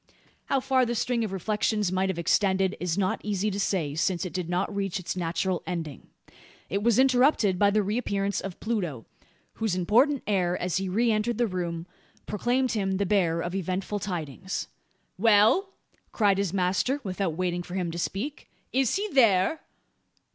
How far the string of reflections might have extended it is not easy to say: since it did not reach its natural ending. It was interrupted by the reappearance of Pluto; whose important air, as he re entered the room, proclaimed him the bearer of eventful tidings. "Well!" cried his master, without waiting for him to speak, "is he there?"